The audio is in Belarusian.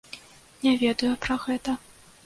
Не ведаю пра гэта.